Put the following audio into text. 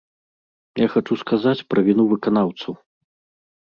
Я хачу сказаць пра віну выканаўцаў.